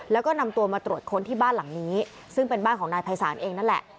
แล้วก็นำตัวมาตรวจค้นที่บ้านหลังนี้ซึ่งเป็นบ้านของนายภัยศาลเองนั่นแหละ